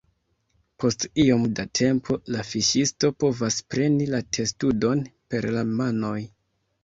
Post iom da tempo, la fiŝisto povas preni la testudon per la manoj.